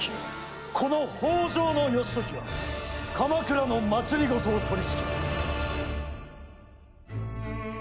この北条義時が鎌倉の政を取りしきる。